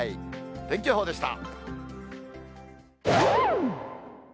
天気予報でした。